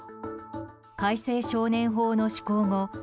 改正少年法の施行後